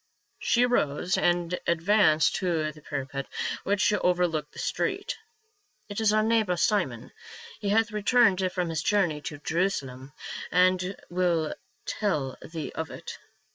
She arose and advanced to the parapet which over looked the street. " It is our neighbor, Simon ; he hath returned from his journey to Jerusalem and will tell thee of it.